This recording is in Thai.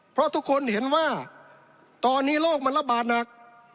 เพราะทุกคนเห็นว่าตอนนี้โลกมันระบาดหนัก